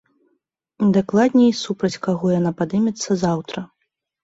Дакладней, супраць каго яна падымецца заўтра.